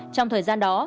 trong thời gian đó